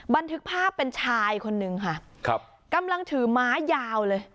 บันทึกภาพเป็นชายคนนึงค่ะครับกำลังถือไม้ยาวเลย